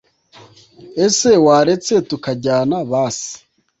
ese waretse tukajyana basi!’